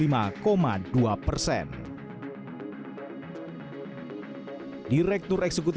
direktur eksekutif indikator pertama anies baswedan